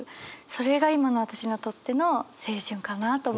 それが今の私にとっての青春かなと思います。